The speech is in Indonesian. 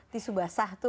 tisu basah tuh